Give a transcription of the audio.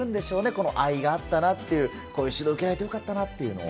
この愛があったなっていう、こういう指導受けられてよかったなっていうのを。